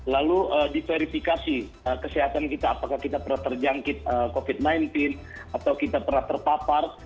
lalu diverifikasi kesehatan kita apakah kita pernah terjangkit covid sembilan belas atau kita pernah terpapar